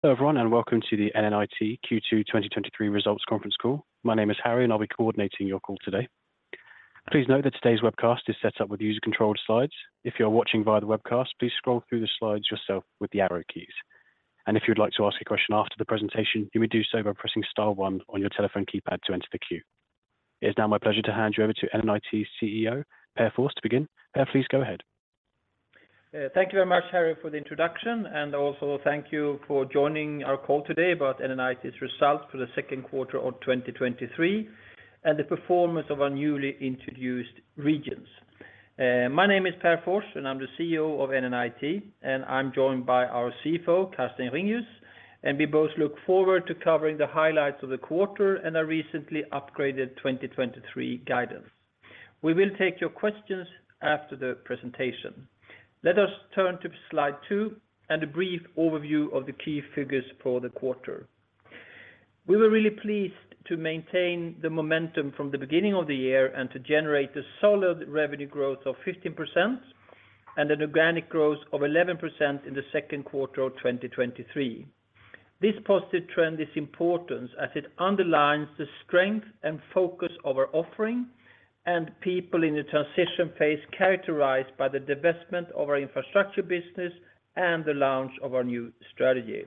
Hello, everyone, and welcome to the NNIT Q2 2023 Results Conference Call. My name is Harry, and I'll be coordinating your call today. Please note that today's webcast is set up with user-controlled slides. If you're watching via the webcast, please scroll through the slides yourself with the arrow keys. And if you'd like to ask a question after the presentation, you may do so by pressing star one on your telephone keypad to enter the queue. It's now my pleasure to hand you over to NNIT CEO, Pär Fors. To begin, Pär, please go ahead. Thank you very much, Harry, for the introduction, and also thank you for joining our call today about NNIT's results for the second quarter of 2023, and the performance of our newly introduced regions. My name is Pär Fors, and I'm the CEO of NNIT, and I'm joined by our CFO, Carsten Ringius, and we both look forward to covering the highlights of the quarter and our recently upgraded 2023 guidance. We will take your questions after the presentation. Let us turn to slide two and a brief overview of the key figures for the quarter. We were really pleased to maintain the momentum from the beginning of the year, and to generate a solid revenue growth of 15%, and an organic growth of 11% in the second quarter of 2023. This positive trend is important as it underlines the strength and focus of our offering and people in the transition phase, characterized by the divestment of our infrastructure business and the launch of our new strategy.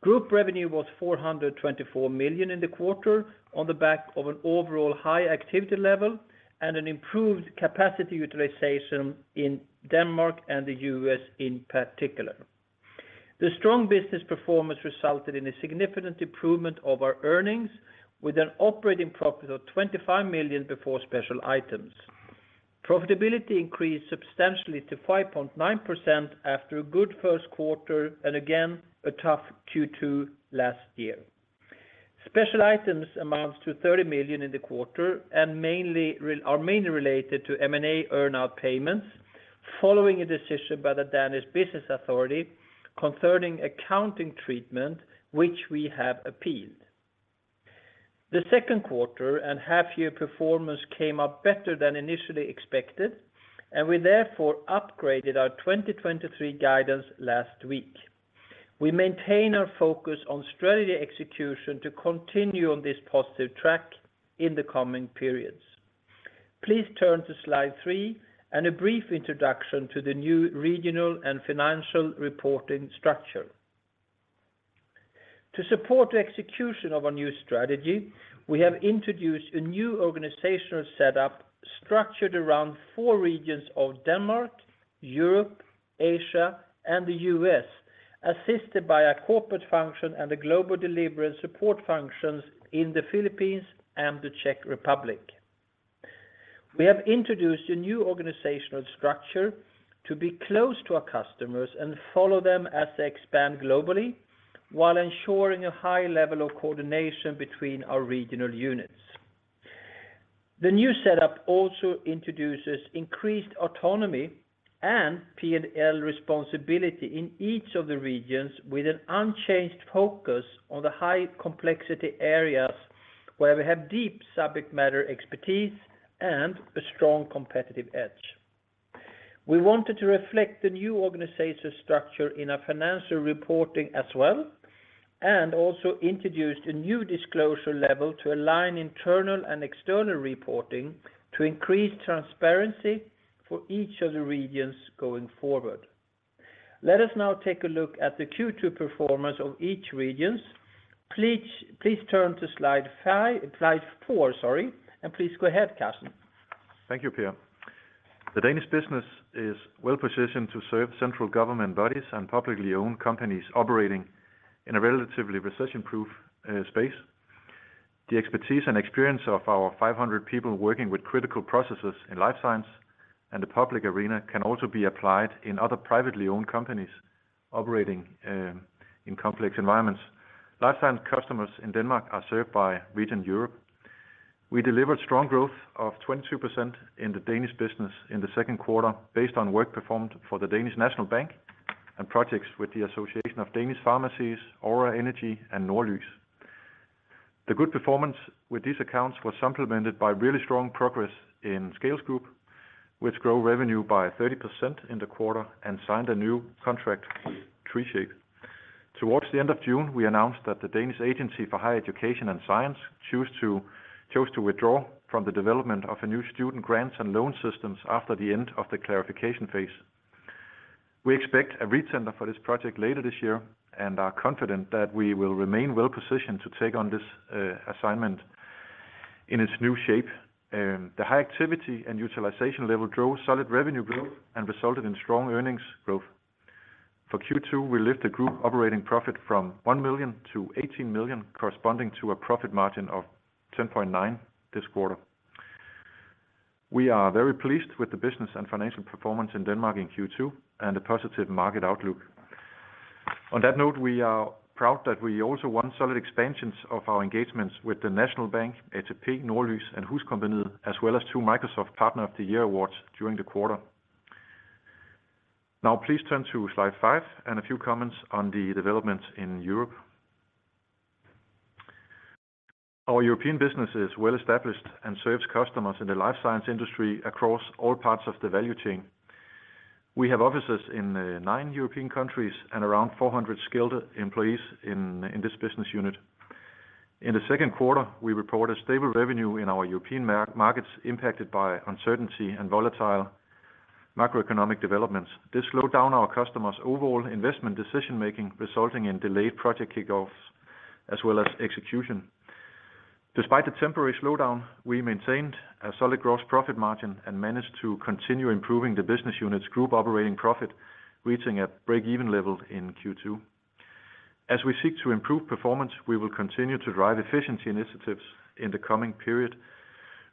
Group revenue was 424 million in the quarter on the back of an overall high activity level and an improved capacity utilization in Denmark and the U.S. in particular. The strong business performance resulted in a significant improvement of our earnings, with an operating profit of 25 million before special items. Profitability increased substantially to 5.9% after a good first quarter and again, a tough Q2 last year. Special items amounts to 30 million in the quarter, and are mainly related to M&A earn-out payments, following a decision by the Danish Business Authority concerning accounting treatment, which we have appealed. The second quarter and half-year performance came up better than initially expected, and we therefore upgraded our 2023 guidance last week. We maintain our focus on strategy execution to continue on this positive track in the coming periods. Please turn to slide three, and a brief introduction to the new regional and financial reporting structure. To support the execution of our new strategy, we have introduced a new organizational setup structured around four regions of Denmark, Europe, Asia, and the U.S., assisted by a corporate function and a global delivery and support functions in the Philippines and the Czech Republic. We have introduced a new organizational structure to be close to our customers and follow them as they expand globally, while ensuring a high level of coordination between our regional units. The new setup also introduces increased autonomy and P&L responsibility in each of the regions, with an unchanged focus on the high complexity areas, where we have deep subject matter expertise and a strong competitive edge. We wanted to reflect the new organizational structure in our financial reporting as well, and also introduced a new disclosure level to align internal and external reporting to increase transparency for each of the regions going forward. Let us now take a look at the Q2 performance of each regions. Please, please turn to slide five, slide four, sorry, and please go ahead, Carsten. Thank you, Pär. The Danish business is well-positioned to serve central government bodies and publicly owned companies operating in a relatively recession-proof space. The expertise and experience of our 500 people working with critical processes in life science and the public arena can also be applied in other privately owned companies operating in complex environments. Life science customers in Denmark are served by Region Europe. We delivered strong growth of 22% in the Danish business in the second quarter, based on work performed for the Danish National Bank and projects with the Association of Danish Pharmacies, Aura Energy, and Norlys. The good performance with these accounts was supplemented by really strong progress in SCALES Group, which grew revenue by 30% in the quarter and signed a new contract, 3Shape. Towards the end of June, we announced that the Danish Agency for Higher Education and Science chose to withdraw from the development of a new student grants and loan systems after the end of the clarification phase. We expect a re-tender for this project later this year and are confident that we will remain well-positioned to take on this assignment in its new shape. The high activity and utilization level drove solid revenue growth and resulted in strong earnings growth. For Q2, we lifted the group operating profit from 1 million to 18 million, corresponding to a profit margin of 10.9% this quarter. We are very pleased with the business and financial performance in Denmark in Q2 and the positive market outlook. On that note, we are proud that we also won solid expansions of our engagements with Danmarks Nationalbank, HP, Norlys, and Husqvarna, as well as two Microsoft Partner of the Year awards during the quarter. Now please turn to slide five and a few comments on the development in Europe. Our European business is well established and serves customers in the life science industry across all parts of the value chain. We have offices in nine European countries and around 400 skilled employees in this business unit. In the second quarter, we reported stable revenue in our European markets, impacted by uncertainty and volatile macroeconomic developments. This slowed down our customers' overall investment decision-making, resulting in delayed project kickoffs, as well as execution. Despite the temporary slowdown, we maintained a solid gross profit margin and managed to continue improving the business unit's group operating profit, reaching a break-even level in Q2. As we seek to improve performance, we will continue to drive efficiency initiatives in the coming period.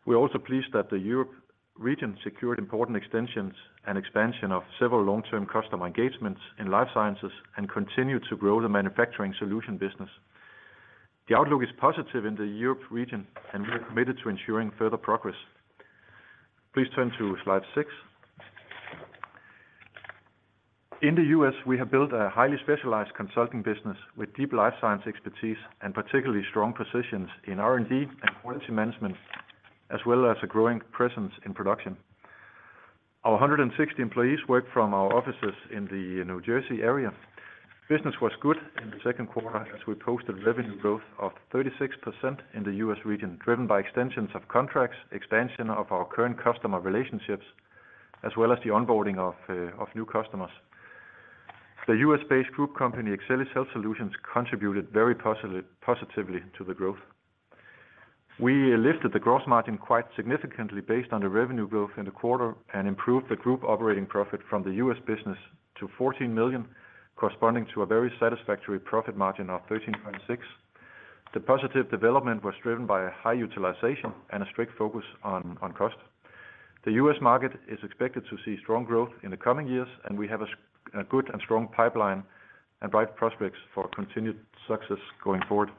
We are also pleased that the Europe region secured important extensions and expansion of several long-term customer engagements in life sciences and continued to grow the manufacturing solution business. The outlook is positive in the Europe region, and we are committed to ensuring further progress. Please turn to slide six. In the U.S., we have built a highly specialized consulting business with deep life science expertise and particularly strong positions in R&D and quality management, as well as a growing presence in production. Our 160 employees work from our offices in the New Jersey area. Business was good in the second quarter, as we posted revenue growth of 36% in the U.S. region, driven by extensions of contracts, expansion of our current customer relationships, as well as the onboarding of new customers. The U.S.-based group company, Excellis Health Solutions, contributed very positively to the growth. We lifted the gross margin quite significantly based on the revenue growth in the quarter and improved the group operating profit from the U.S. business to 14 million, corresponding to a very satisfactory profit margin of 13.6%. The positive development was driven by a high utilization and a strict focus on cost. The U.S. market is expected to see strong growth in the coming years, and we have a good and strong pipeline and bright prospects for continued success going forward.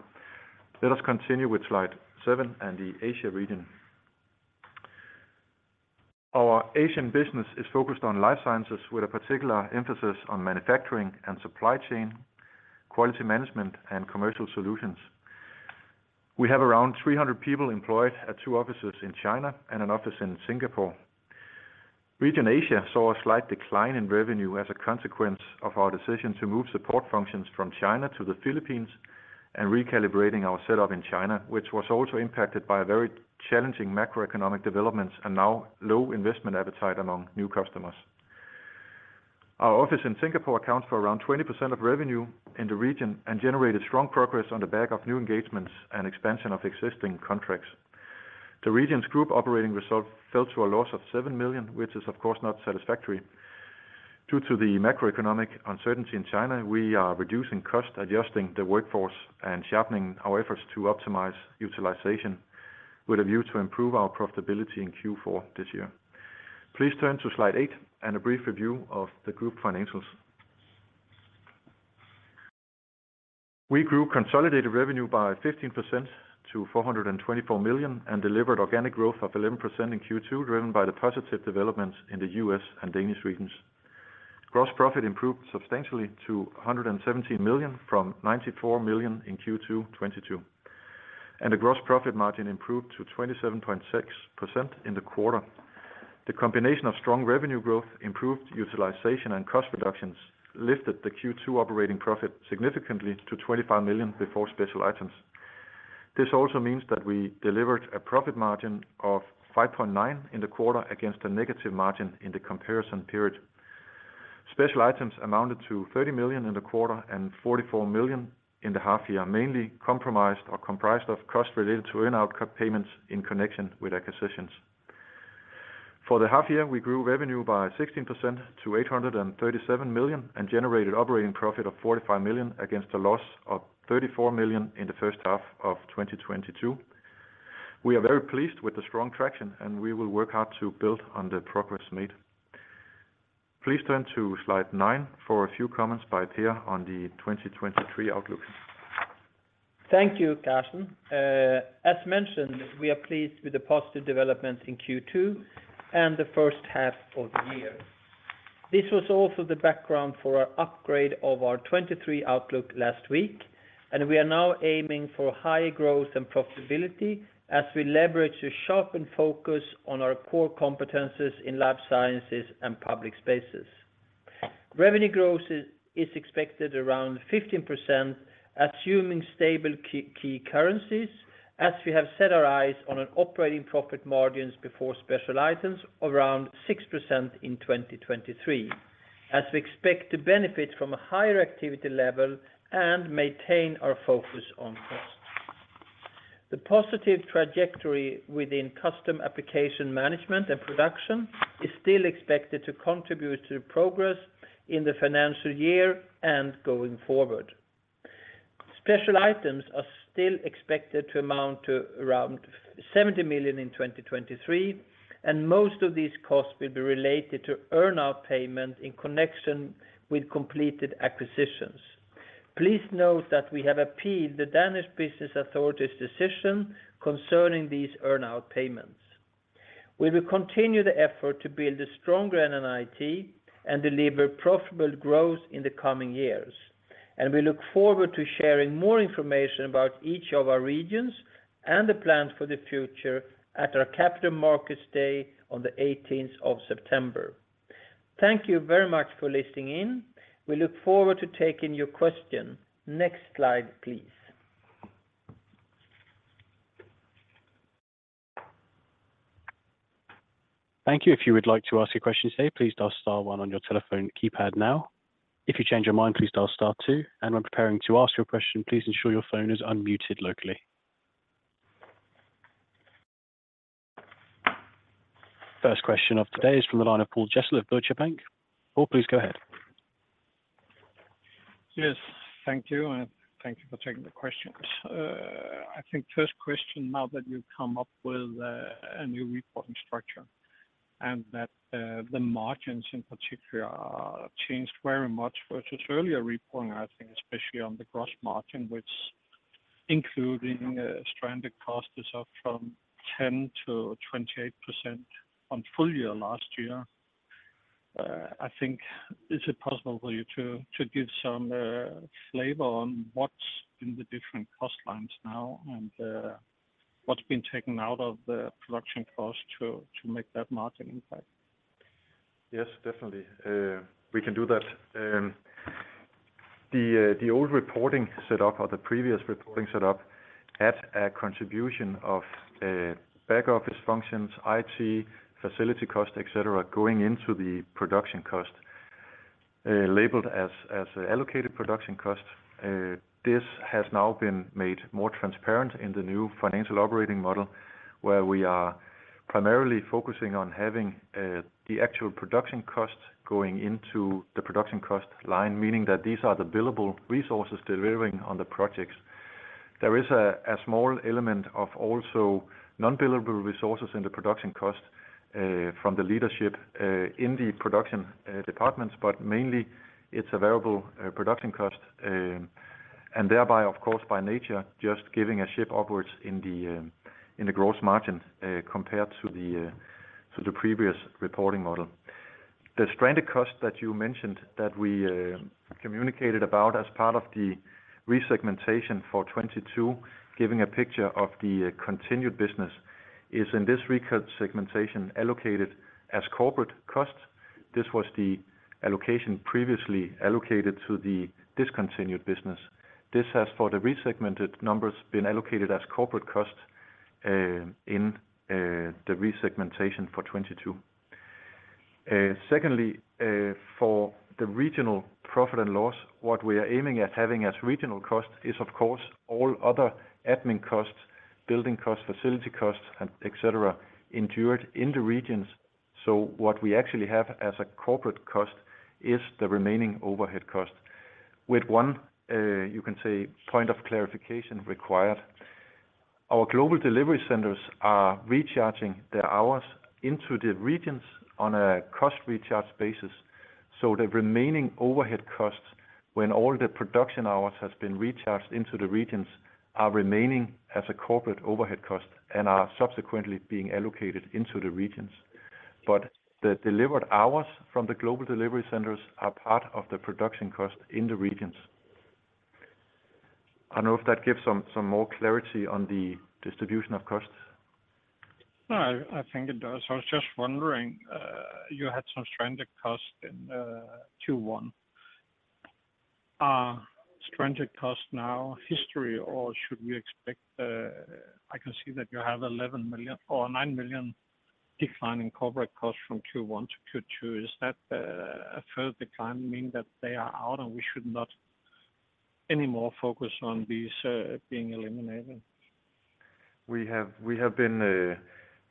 Let us continue with slide seven and the Asia region. Our Asian business is focused on life sciences, with a particular emphasis on manufacturing and supply chain, quality management, and commercial solutions. We have around 300 people employed at two offices in China and an office in Singapore. Region Asia saw a slight decline in revenue as a consequence of our decision to move support functions from China to the Philippines and recalibrating our setup in China, which was also impacted by a very challenging macroeconomic developments and now low investment appetite among new customers. Our office in Singapore accounts for around 20% of revenue in the region and generated strong progress on the back of new engagements and expansion of existing contracts. The region's group operating result fell to a loss of 7 million, which is, of course, not satisfactory. Due to the macroeconomic uncertainty in China, we are reducing costs, adjusting the workforce, and sharpening our efforts to optimize utilization, with a view to improve our profitability in Q4 this year. Please turn to slide eight and a brief review of the group financials. We grew consolidated revenue by 15% to 424 million, and delivered organic growth of 11% in Q2, driven by the positive developments in the US and Danish regions. Gross profit improved substantially to 117 million from 94 million in Q2 2022, and the gross profit margin improved to 27.6% in the quarter. The combination of strong revenue growth, improved utilization, and cost reductions lifted the Q2 operating profit significantly to 25 million before special items. This also means that we delivered a profit margin of 5.9% in the quarter against a negative margin in the comparison period. Special items amounted to 30 million in the quarter and 44 million in the half year, mainly compromised or comprised of costs related to earn-out payments in connection with acquisitions. For the half year, we grew revenue by 16% to 837 million and generated operating profit of 45 million, against a loss of 34 million in the first half of 2022. We are very pleased with the strong traction, and we will work hard to build on the progress made. Please turn to slide nine for a few comments by Pär on the 2023 outlook. Thank you, Carsten. As mentioned, we are pleased with the positive developments in Q2 and the first half of the year. This was also the background for our upgrade of our 2023 outlook last week, and we are now aiming for higher growth and profitability as we leverage a sharpened focus on our core competencies in life sciences and public spaces. Revenue growth is expected around 15%, assuming stable key currencies, as we have set our eyes on an operating profit margins before special items around 6% in 2023, as we expect to benefit from a higher activity level and maintain our focus on costs. The positive trajectory within custom application management and production is still expected to contribute to the progress in the financial year and going forward. Special items are still expected to amount to around 70 million in 2023, and most of these costs will be related to earn-out payment in connection with completed acquisitions. Please note that we have appealed the Danish Business Authority's decision concerning these earn-out payments. We will continue the effort to build a stronger NNIT and deliver profitable growth in the coming years. We look forward to sharing more information about each of our regions and the plans for the future at our Capital Markets Day on September 18. Thank you very much for listening in. We look forward to taking your question. Next slide, please. Thank you. If you would like to ask a question today, please dial star one on your telephone keypad now. If you change your mind, please dial star two, and when preparing to ask your question, please ensure your phone is unmuted locally. First question of today is from the line of Poul Jessen of Danske Bank. Paul, please go ahead. Yes, thank you, and thank you for taking the questions. I think first question, now that you've come up with a new reporting structure, and that the margins in particular, are changed very much versus earlier reporting, I think, especially on the gross margin, which including stranded costs, is up from 10%-28% on full year last year. I think, is it possible for you to give some flavor on what's in the different cost lines now, and what's been taken out of the production cost to make that margin impact? Yes, definitely. We can do that. The old reporting set up, or the previous reporting set up, had a contribution of back office functions, IT, facility cost, et cetera, going into the production cost, labeled as allocated production costs. This has now been made more transparent in the new financial operating model, where we are primarily focusing on having the actual production costs going into the production cost line, meaning that these are the billable resources delivering on the projects. There is a small element of also non-billable resources in the production cost, from the leadership in the production departments, but mainly it's available production cost, and thereby, of course, by nature, just giving a shift upwards in the gross margin, compared to the previous reporting model. The stranded cost that you mentioned, that we communicated about as part of the resegmentation for 2022, giving a picture of the continued business, is in this resegmentation allocated as corporate costs. This was the allocation previously allocated to the discontinued business. This has, for the resegmented numbers, been allocated as corporate costs in the resegmentation for 2022. Secondly, for the regional profit and loss, what we are aiming at having as regional costs is, of course, all other admin costs, building costs, facility costs, and et cetera, incurred in the regions. So what we actually have as a corporate cost is the remaining overhead cost. With one, you can say, point of clarification required. Our global delivery centers are recharging their hours into the regions on a cost recharge basis, so the remaining overhead costs, when all the production hours has been recharged into the regions, are remaining as a corporate overhead cost and are subsequently being allocated into the regions. But the delivered hours from the global delivery centers are part of the production cost in the regions. I don't know if that gives some more clarity on the distribution of costs? No, I think it does. I was just wondering, you had some stranded costs in Q1. Are stranded costs now history, or should we expect, I can see that you have 11 million or 9 million decline in corporate costs from Q1 to Q2. Is that a further decline, mean that they are out and we should not anymore focus on these being eliminated? We have been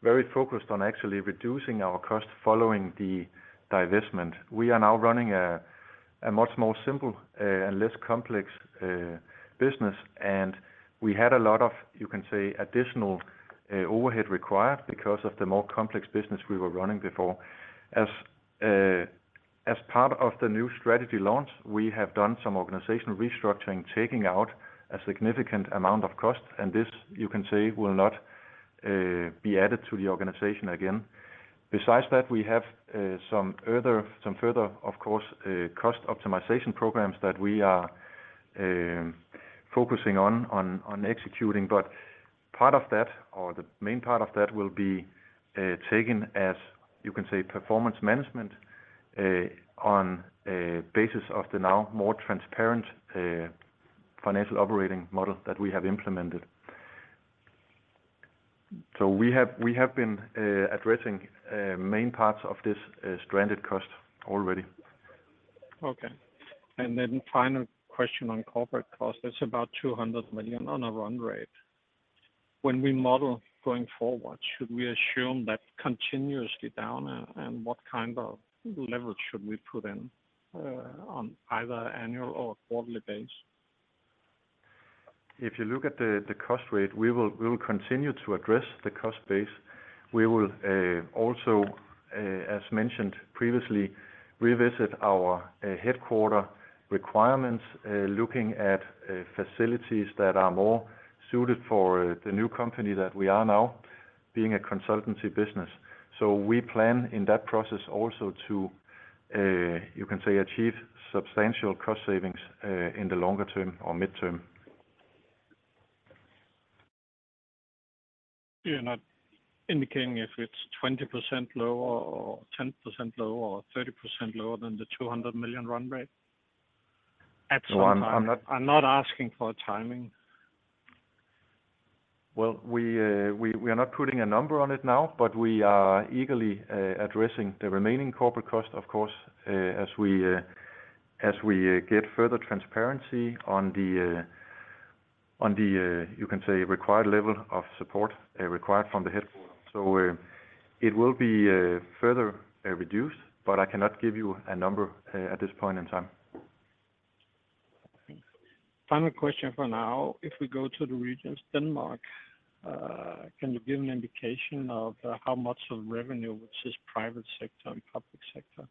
very focused on actually reducing our cost following the divestment. We are now running a much more simple and less complex business, and we had a lot of, you can say, additional overhead required because of the more complex business we were running before. As part of the new strategy launch, we have done some organizational restructuring, taking out a significant amount of cost, and this, you can say, will not be added to the organization again. Besides that, we have some further, of course, cost optimization programs that we are focusing on executing, but part of that, or the main part of that, will be taken, as you can say, performance management on a basis of the now more transparent financial operating model that we have implemented. So we have been addressing main parts of this stranded cost already. Okay. And then final question on corporate cost, that's about 200 million on a run rate. When we model going forward, should we assume that continuously down, and what kind of leverage should we put in on either annual or quarterly basis? If you look at the cost rate, we will continue to address the cost base. We will also, as mentioned previously, revisit our headquarters requirements, looking at facilities that are more suited for the new company that we are now, being a consultancy business. So we plan in that process also to, you can say, achieve substantial cost savings in the longer term or midterm. You're not indicating if it's 20% lower or 10% lower, or 30% lower than the 200 million run rate? At some time. Well, I'm not- I'm not asking for a timing. Well, we are not putting a number on it now, but we are eagerly addressing the remaining corporate cost, of course, as we get further transparency on the, you can say, required level of support required from the headquarters. So, it will be further reduced, but I cannot give you a number at this point in time. Thanks. Final question for now. If we go to the regions, Denmark, can you give an indication of how much of revenue, which is private sector and public sector?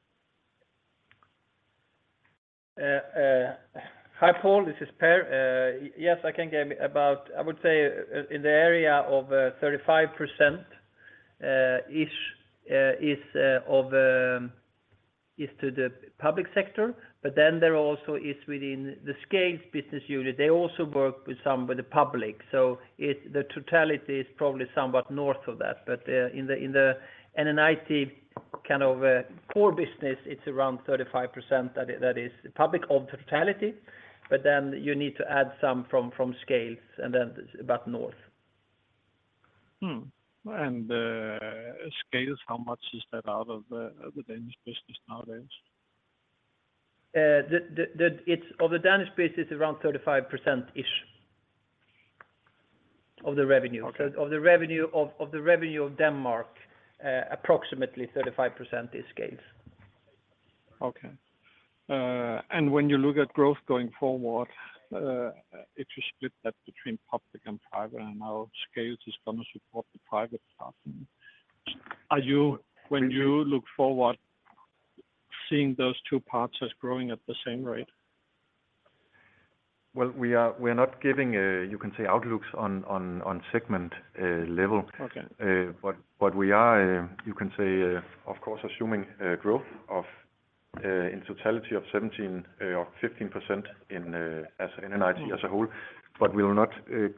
Hi, Paul. This is Pär. Yes, I can give about. I would say in the area of 35% ish is to the public sector, but then there also is within the SCALES business unit. They also work with some with the public, so it's, the totality is probably somewhat north of that, but in the NNIT kind of core business, it's around 35%, that is public of totality, but then you need to add some from SCALES and then about north. SCALES, how much is that out of the Danish business nowadays? It's of the Danish business is around 35% each of the revenue. Okay. Of the revenue of Denmark, approximately 35% is SCALES. Okay. And when you look at growth going forward, if you split that between public and private, and how SCALES is going to support the private part, are you, when you look forward, seeing those two parts as growing at the same rate? Well, we are not giving, you can say, outlooks on segment level. Okay. But we are, you can say, of course, assuming growth of in totality of 17 or 15% in as NNIT as a whole, but we will not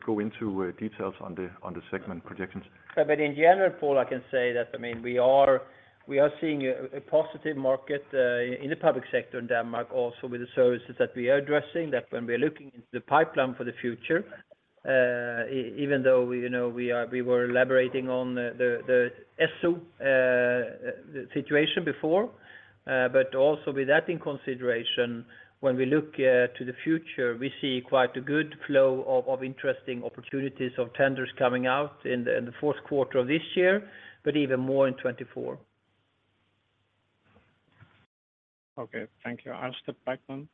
go into details on the segment projections. But in general, Paul, I can say that, I mean, we are seeing a positive market in the public sector in Denmark, also with the services that we are addressing, that when we're looking into the pipeline for the future, even though, you know, we were elaborating on the Esso situation before, but also with that in consideration, when we look to the future, we see quite a good flow of interesting opportunities of tenders coming out in the fourth quarter of this year, but even more in 2024. Okay, thank you. I'll step back then.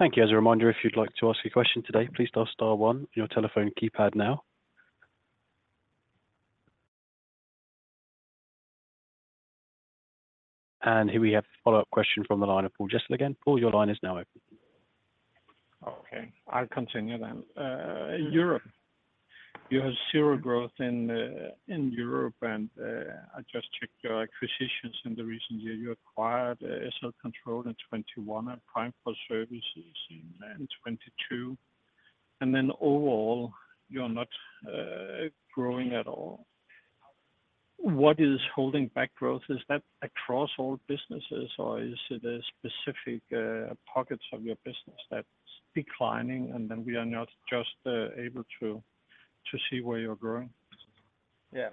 Thank you. As a reminder, if you'd like to ask a question today, please dial star one on your telephone keypad now. Here we have a follow-up question from the line of Paul Jessen again. Paul, your line is now open. Okay, I'll continue then. Europe, you have zero growth in Europe, and I just checked your acquisitions in the recent year. You acquired SL Controls in 2021 and prime4services in 2022, and then overall, you're not growing at all. What is holding back growth? Is that across all businesses, or is it a specific pockets of your business that's declining, and then we are not just able to see where you're growing? Yeah.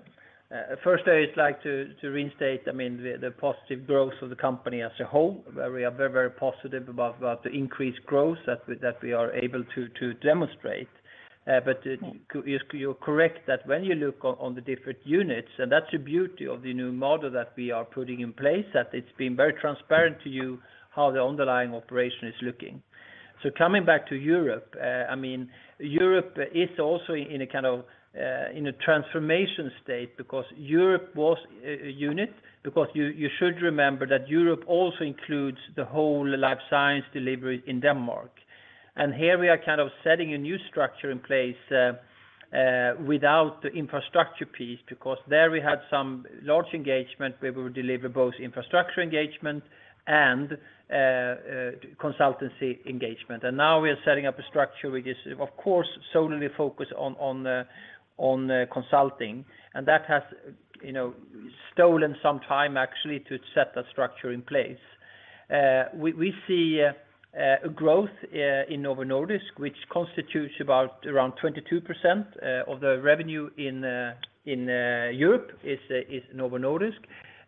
First, I'd like to reinstate, I mean, the positive growth of the company as a whole. We are very, very positive about the increased growth that we are able to demonstrate. But you're correct that when you look on the different units, and that's the beauty of the new model that we are putting in place, that it's been very transparent to you how the underlying operation is looking. So coming back to Europe, I mean, Europe is also in a kind of transformation state because Europe was a unit. Because you should remember that Europe also includes the whole life science delivery in Denmark. And here we are kind of setting a new structure in place, without the infrastructure piece, because there we had some large engagement where we would deliver both infrastructure engagement and consultancy engagement. And now we are setting up a structure, which is, of course, solely focused on the consulting, and that has, you know, stolen some time actually to set that structure in place. We see a growth in Novo Nordisk, which constitutes about around 22% of the revenue in Europe, is Novo Nordisk.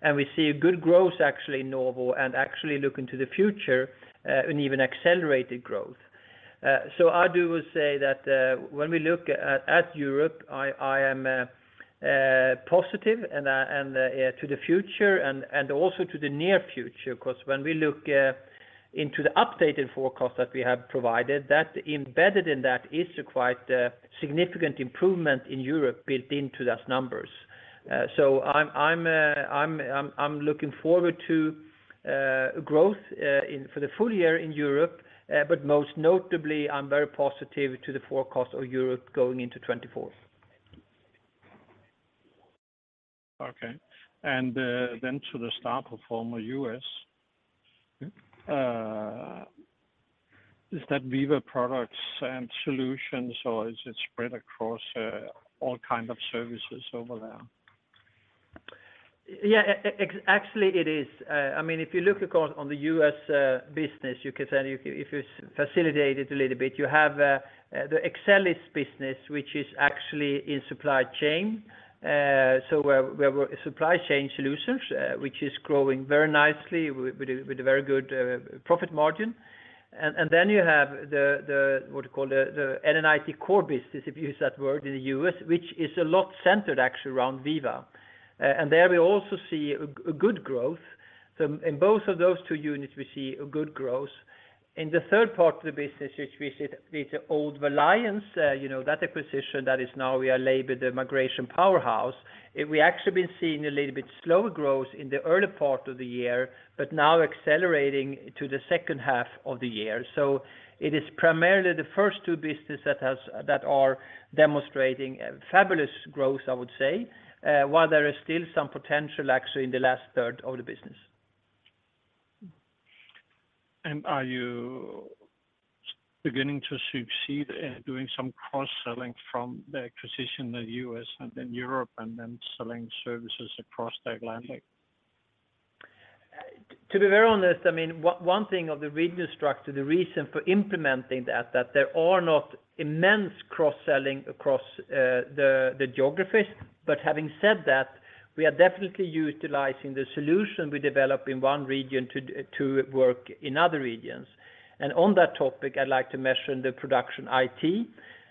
And we see a good growth, actually, in Novo and actually look into the future, and even accelerated growth. So I do say that, when we look at Europe, I am... Positive and to the future and also to the near future. Because when we look into the updated forecast that we have provided, that embedded in that is a quite significant improvement in Europe built into those numbers. So I'm looking forward to growth in for the full year in Europe, but most notably, I'm very positive to the forecast of Europe going into 2024. Okay. And then to the star performer, U.S. Yep. Is that Veeva products and solutions, or is it spread across all kind of services over there? Yeah, actually, it is. I mean, if you look, of course, on the U.S. business, you can tell if you facilitate it a little bit, you have the Excellis business, which is actually in supply chain. So where supply chain solutions, which is growing very nicely with a very good profit margin. And then you have the what you call the NNIT core business, if you use that word in the U.S., which is a lot centered actually around Veeva. And there we also see a good growth. So in both of those two units, we see a good growth. In the third part of the business, which we see, with the old Valiance, you know, that acquisition that is now we are labeled the migration powerhouse. We actually been seeing a little bit slower growth in the early part of the year, but now accelerating to the second half of the year. So it is primarily the first two business that are demonstrating fabulous growth, I would say, while there is still some potential actually in the last third of the business. Are you beginning to succeed in doing some cross-selling from the acquisition in the U.S. and in Europe, and then selling services across the Atlantic? To be very honest, I mean, one thing of the regional structure, the reason for implementing that, that there are not immense cross-selling across the geographies. But having said that, we are definitely utilizing the solution we develop in one region to work in other regions. And on that topic, I'd like to mention the Production IT,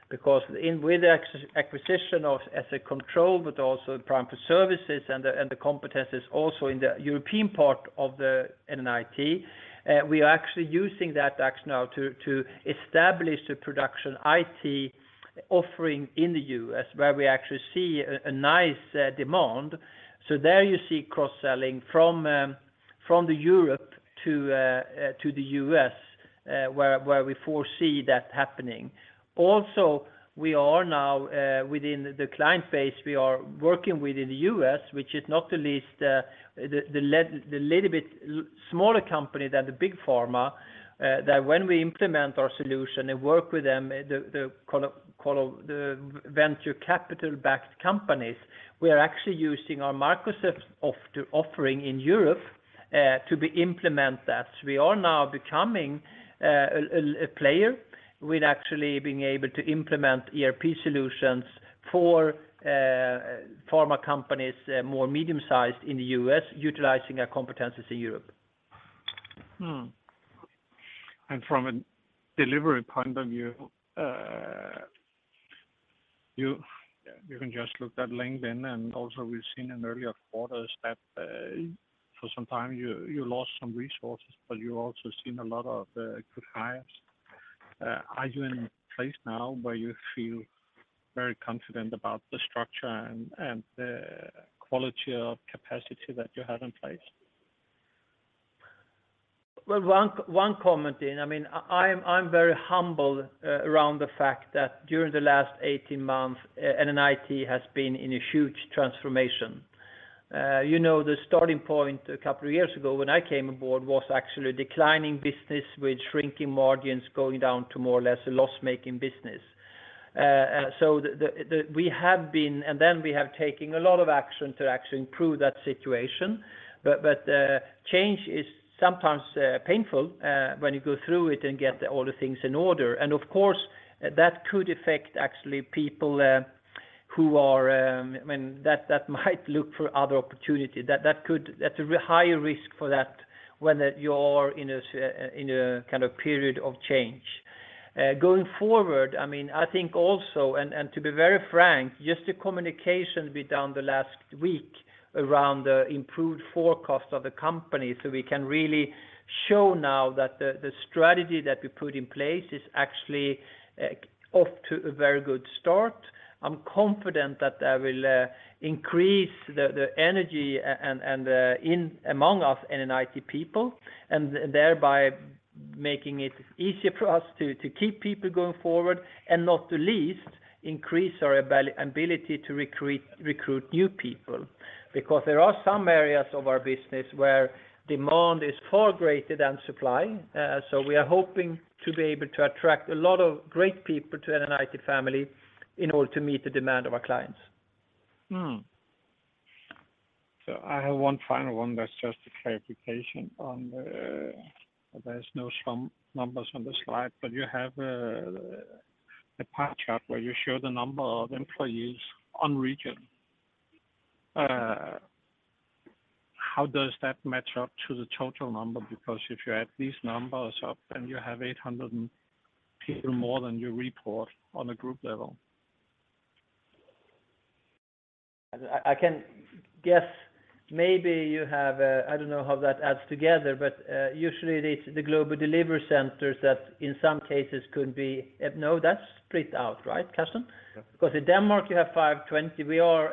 because with the acquisition of SL Controls, but also prime4services and the competencies also in the European part of the NNIT, we are actually using that acquisition now to establish the Production IT offering in the U.S., where we actually see a nice demand. So there you see cross-selling from the Europe to the U.S., where we foresee that happening. Also, we are now within the client base we are working with in the U.S., which is not the least, the little bit smaller company than the big pharma, that when we implement our solution and work with them, the quote, unquote, "the venture capital-backed companies", we are actually using our Microsoft offering in Europe to implement that. We are now becoming a player with actually being able to implement ERP solutions for pharma companies more medium-sized in the U.S., utilizing our competencies in Europe. From a delivery point of view, you can just look at LinkedIn, and also we've seen in earlier quarters that, for some time you lost some resources, but you also seen a lot of good hires. Are you in a place now where you feel very confident about the structure and the quality of capacity that you have in place? Well, one comment in, I mean, I'm very humbled around the fact that during the last 18 months, NNIT has been in a huge transformation. You know, the starting point a couple of years ago when I came aboard was actually a declining business with shrinking margins, going down to more or less a loss-making business. So we have been, and then we have taken a lot of action to actually improve that situation. But change is sometimes painful when you go through it and get all the things in order. And of course, that could affect actually people who are, I mean, that might look for other opportunities. That could, that's a higher risk for that, whether you're in a kind of period of change. Going forward, I mean, I think also and to be very frank, just the communication we've done the last week around the improved forecast of the company, so we can really show now that the strategy that we put in place is actually off to a very good start. I'm confident that that will increase the energy and the in among us NNIT people, and thereby making it easier for us to keep people going forward, and not the least, increase our ability to recruit new people. Because there are some areas of our business where demand is far greater than supply, so we are hoping to be able to attract a lot of great people to NNIT family in order to meet the demand of our clients. So I have one final one that's just a clarification on the... There's no strong numbers on the slide, but you have a pie chart where you show the number of employees on region. How does that match up to the total number? Because if you add these numbers up, then you have 800 people more than you report on a group level. I can guess maybe you have, I don't know how that adds together, but usually it's the global delivery centers that in some cases could be. No, that's split out, right, Carsten? Yeah. Because in Denmark, you have 520. We are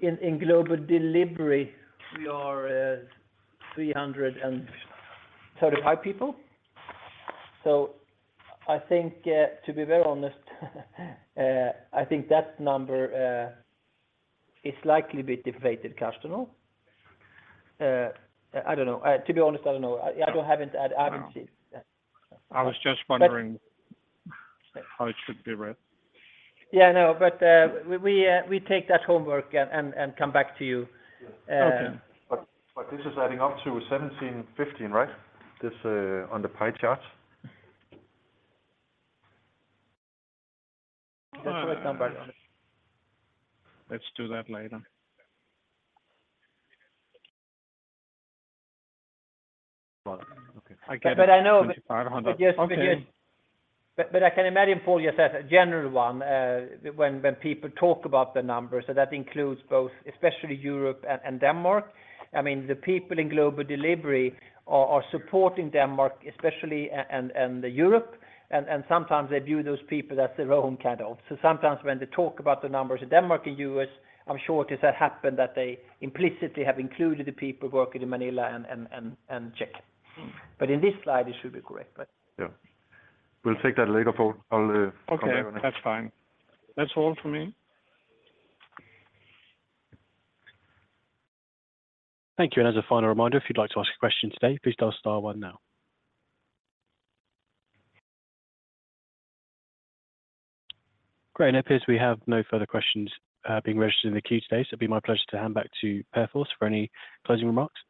in global delivery, 335 people. So I think, to be very honest, I think that number is likely a bit deflated, Carsten, or... I don't know. To be honest, I don't know. I, I don't have. I haven't added. I haven't seen. I was just wondering- But- How it should be read. Yeah, I know, but we take that homework and come back to you. Okay. But this is adding up to 1,715, right? This on the pie chart. Let's do it back. Let's do that later. Well, okay, I get- But I know- Twenty-five hundred. But yes, but yes. Okay. But I can imagine, Paul, yes, that's a general one, when people talk about the numbers, so that includes both, especially Europe and Denmark. I mean, the people in global delivery are supporting Denmark, especially, and the Europe, and sometimes they view those people as their own kind of. So sometimes when they talk about the numbers in Denmark and U.S., I'm sure it has happened that they implicitly have included the people working in Manila and Czech. But in this slide, it should be correct, but- Yeah. We'll take that later, Paul. I'll come back. Okay, that's fine. That's all for me. Thank you. And as a final reminder, if you'd like to ask a question today, please dial star one now. Great, and it appears we have no further questions, being registered in the queue today, so it'd be my pleasure to hand back to Pär Fors for any closing remarks.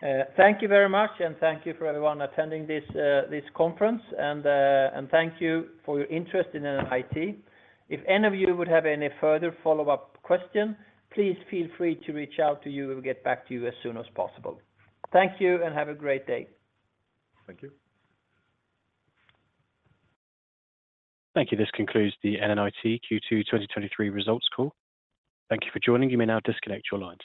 Thank you very much, and thank you for everyone attending this, this conference, and, and thank you for your interest in NNIT. If any of you would have any further follow-up question, please feel free to reach out to you, we'll get back to you as soon as possible. Thank you, and have a great day. Thank you. Thank you. This concludes the NNIT Q2 2023 results call. Thank you for joining. You may now disconnect your lines.